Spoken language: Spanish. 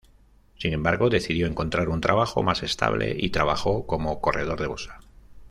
Sin embargo, decidió encontrar un trabajo más estable, y trabajó cómo corredor de bolsa.